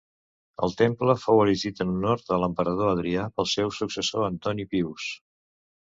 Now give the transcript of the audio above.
El temple fou erigit en honor de l'emperador Adrià pel seu successor Antoní Pius.